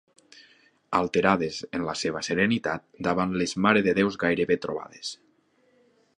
Alterades en la seva serenitat davant les marededéus gairebé trobades.